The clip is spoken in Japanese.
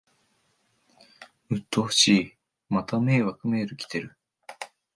うっとうしい、また迷惑メール来てる